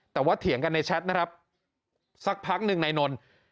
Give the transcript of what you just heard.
แต่ว่าเถียงกันในแชทนะครับสักพักหนึ่งนายนนท์